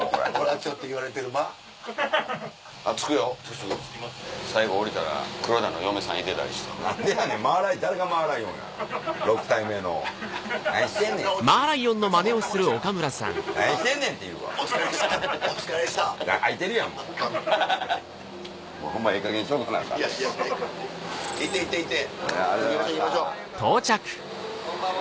こんばんは。